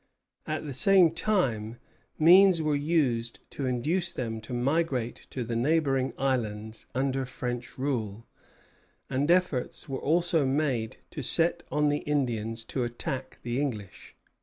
At the same time means were used to induce them to migrate to the neighboring islands under French rule, and efforts were also made to set on the Indians to attack the English.